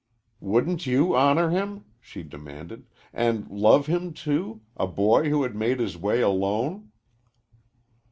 "Wouldn't you honor him?" she demanded, "and love him, too a boy who had made his way alone?"